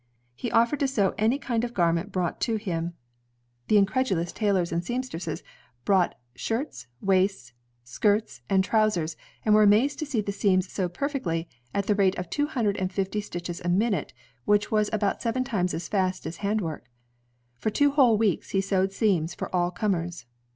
He tiered to sew any kind of garment brought to him. The 132 INVENTIONS OF MANUFACTURE AND PRODUCTION incredulous tailors and seamstresses brought shirts, waists, skirts, and trousers, and were amazed to see the seams sewed perfectly, at the rate of two hundred and fifty stitches a minute, which is about seven times as fast as handwork. For two whole weeks, he sewed seams for all comers.